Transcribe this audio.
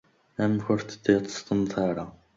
Amek ur t-id-tseddamt ara?